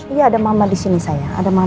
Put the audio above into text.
iya ada mama disini sayang